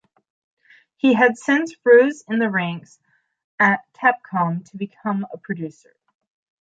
He had since rose in the ranks at Capcom to become a producer.